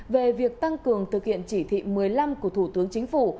về việc tăng cường thực hiện chỉ thị một mươi năm của thủ tướng chính phủ